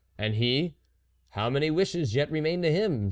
And he how many wishes yet remained to him